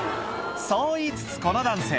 そう言いつつこの男性